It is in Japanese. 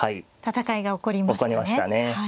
戦いが起こりましたね。